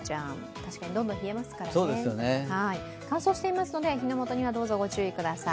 確かにどんどん冷えますからね。乾燥していますので、どうぞ火の元にはご注意ください。